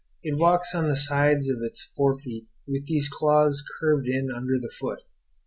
It walks on the sides of its fore feet with these claws curved in under the foot.